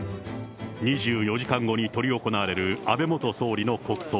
２４時間後に執り行われる安倍元総理の国葬。